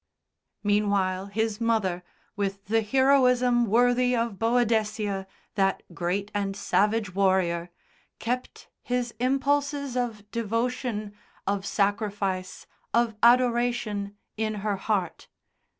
Meanwhile, his mother, with the heroism worthy of Boadicea, that great and savage warrior, kept his impulses of devotion, of sacrifice, of adoration, in her heart.